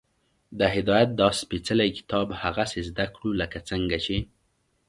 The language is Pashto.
د هدایت دا سپېڅلی کتاب هغسې زده کړو، لکه څنګه چې